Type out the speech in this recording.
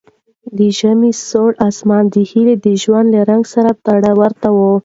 د ژمي خړ اسمان د هیلې د ژوند له رنګ سره ورته و.